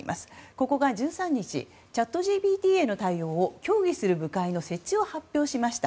ここが１３日チャットＧＰＴへの対応を協議する部会の設置を発表しました。